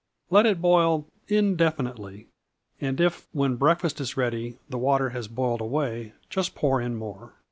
Let it boil indefinitely, and if, when breakfast is ready, the water has boiled away, just pour in more.